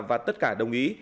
và tất cả đồng ý